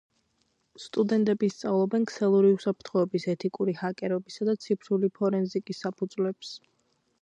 სტუდენტები სწავლობენ ქსელური უსაფრთხოების, ეთიკური ჰაკერობისა და ციფრული ფორენზიკის საფუძვლებს.